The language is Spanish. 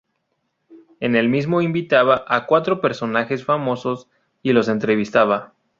En el mismo invitaba a cuatro personajes famosos y los entrevistaba.